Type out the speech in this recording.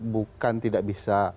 bukan tidak bisa